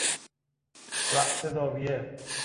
راس زاویه